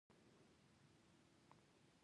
• ونه د اوبو د جریان تنظیم ته مرسته کوي.